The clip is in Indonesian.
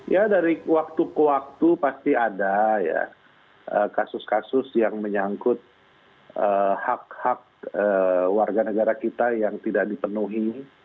ya dari waktu ke waktu pasti ada ya kasus kasus yang menyangkut hak hak warga negara kita yang tidak dipenuhi